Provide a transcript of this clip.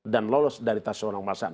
dan lolos dari tas seorang pembahasan